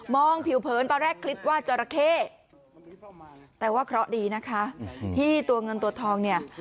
ผิวเผินตอนแรกคิดว่าจราเข้แต่ว่าเคราะห์ดีนะคะที่ตัวเงินตัวทองเนี่ย